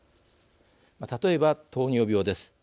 例えば、糖尿病です。